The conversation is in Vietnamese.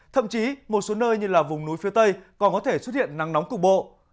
thậm chí một số nơi như là vùng núi phía tây còn có thể xuất hiện nắng nóng cục bộ